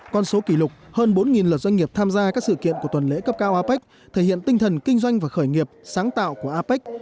con số kỷ lục hơn bốn lượt doanh nghiệp tham gia các sự kiện của tuần lễ cấp cao apec thể hiện tinh thần kinh doanh và khởi nghiệp sáng tạo của apec